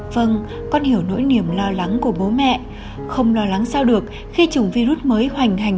phân hiểu nỗi niềm lo lắng của bố mẹ không lo lắng sao được khi chủng virus mới hoành hành